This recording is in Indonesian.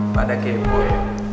pada game boy